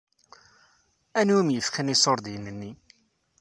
Anwi i m-yefkan iṣuṛdiyen-nni?